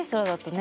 ね